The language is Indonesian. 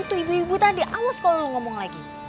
itu ibu ibu tadi awas kalau ngomong lagi